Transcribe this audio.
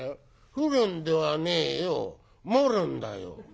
「降るんではねえよ。漏るんだよ」。